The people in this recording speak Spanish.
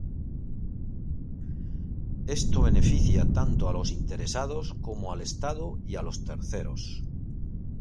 Esto beneficia, tanto a los interesados como al Estado y a los terceros.